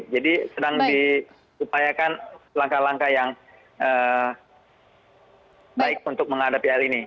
jadi sedang disupayakan langkah langkah yang baik untuk menghadapi hal ini